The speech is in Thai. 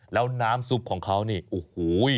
แล้วน้ำซุปของเขานี่โอ้โห